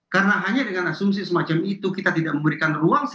karena hanya dengan asumsi semacam itu kita tidak memberikan ruang